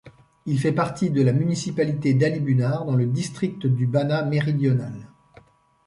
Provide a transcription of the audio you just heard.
Il fait partie de la municipalité d'Alibunar dans le district du Banat méridional.